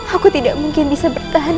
aku tidak mungkin bisa bertahan